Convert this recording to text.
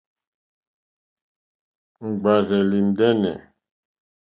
Ŋɡbárzèlì ndɛ́nɛ̀.